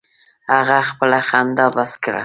هغه خپله خندا بس کړه.